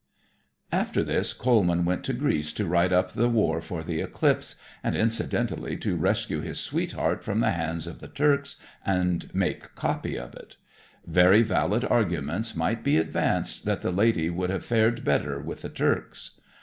After this Coleman went to Greece to write up the war for the "Eclipse," and incidentally to rescue his sweetheart from the hands of the Turks and make "copy" of it. Very valid arguments might be advanced that the lady would have fared better with the Turks.